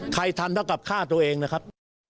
ทันเท่ากับฆ่าตัวเองนะครับ